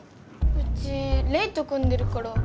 うちレイと組んでるから。